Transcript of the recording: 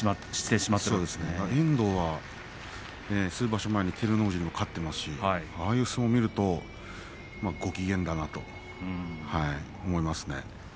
遠藤は数場所前に照ノ富士に勝っていますしああいう相撲を見るとご機嫌だなと思いますね。